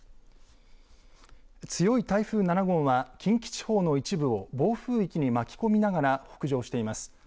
強い台風７号は近畿地方の一部を暴風域に巻き込みながら北上しています。